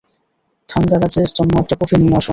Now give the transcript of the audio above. থাঙ্গারাজের জন্য একটা কফি নিয়ে আসো।